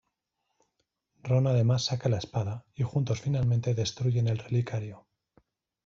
Ron además saca la espada y juntos finalmente destruyen el relicario.